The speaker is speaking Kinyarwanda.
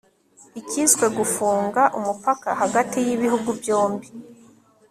ikiswe gufunga umupaka hagati y'ibihugu byombi